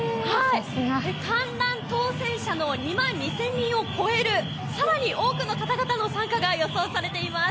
観覧当選者の２万２０００人を超える更に多くの方々の参加が予想されています。